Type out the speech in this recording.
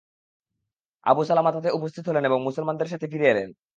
Abu Salama তাতে উপস্থিত হলেন এবং মুসলমানদের সাথে ফিরে এলেন।